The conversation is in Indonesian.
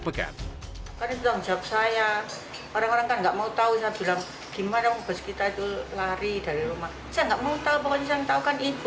pekan orang orang nggak mau tahu gimana itu lari dari rumah saya nggak mau tahu